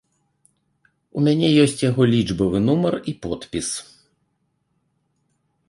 У мяне ёсць яго лічбавы нумар і подпіс.